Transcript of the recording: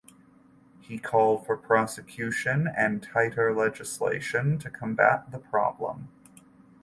He called for prosecution and tighter legislation to combat the problem.